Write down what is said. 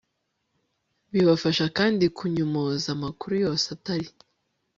bibafasha kandi kunyomoza amakuru yose atari